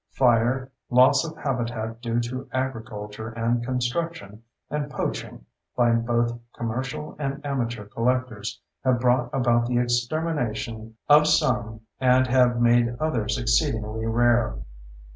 Fire, loss of habitat due to agriculture and construction, and poaching by both commercial and amateur collectors have brought about the extermination of some and have made others exceedingly rare.